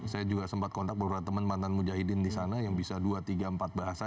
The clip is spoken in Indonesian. saya juga sempat kontak beberapa teman mantan mujahidin di sana yang bisa dua tiga empat bahasa